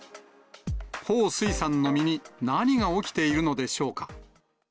彭帥さんの身に何が起きているのでしょうか。